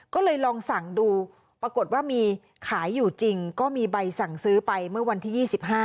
ก็เลยลองสั่งดูปรากฏว่ามีขายอยู่จริงก็มีใบสั่งซื้อไปเมื่อวันที่๒๕